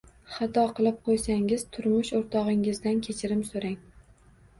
Xato qilib qo‘ysangiz, turmush o‘rtog‘ingizdan kechirim so‘rang.